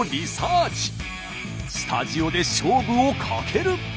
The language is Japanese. スタジオで勝負をかける！